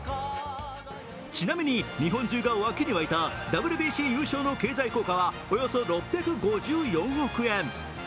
ちなみに、日本中が沸きに沸いたＷＢＣ優勝の経済効果はおよそ６５４億円。